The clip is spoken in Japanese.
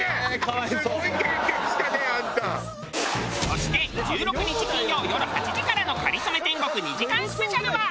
そして１６日金曜よる８時からの『かりそめ天国』２時間スペシャルは。